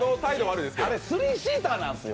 あれ、スリーシーターなんですよ